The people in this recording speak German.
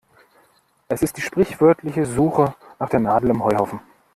Es ist die sprichwörtliche Suche nach der Nadel im Heuhaufen.